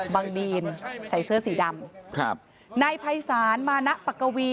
ดีนใส่เสื้อสีดำครับนายภัยศาลมานะปักกวี